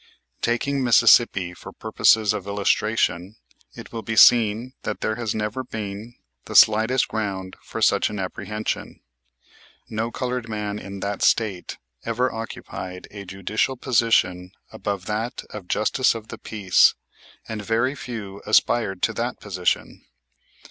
Taking Mississippi for purposes of illustration, it will be seen that there has never been the slightest ground for such an apprehension. No colored man in that State ever occupied a judicial position above that of Justice of the Peace and very few aspired to that position.